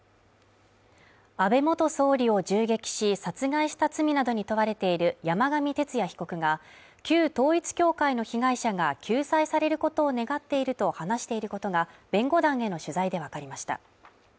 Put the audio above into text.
安倍元総理を銃撃し殺害した罪などに問われている山上徹也被告が旧統一教会の被害者が救済されることを願っていると話していることが、弁護団への取材でわかりました。